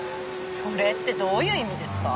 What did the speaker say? それってどういう意味ですか？